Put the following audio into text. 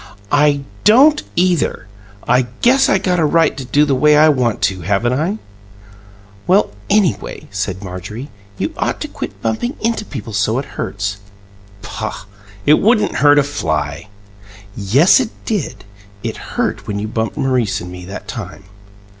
"I don't either! I guess I got a right to do the way I want to, haven't I?" "Well, anyway," said Marjorie, "you ought to quit bumping into people so it hurts." "Poh! It wouldn't hurt a fly!" "Yes, it did. It hurt when you bumped Maurice and me that time."